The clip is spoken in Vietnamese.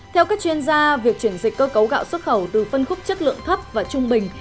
theo các chuyên gia việc chuyển dịch cơ cấu gạo xuất khẩu từ phân khúc chất lượng thấp và trung bình